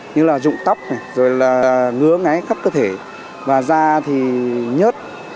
như là dụng tóc này rồi là ngứa ngáy khắp cơ thể và da thì nhớt